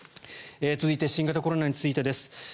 続いて新型コロナについてです。